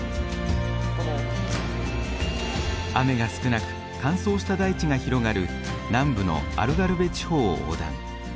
雨が少なく乾燥した大地が広がる南部のアルガルヴェ地方を横断。